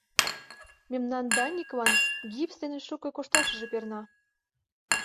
Мемнан Даниклан гипс дене шуко кошташыже перна.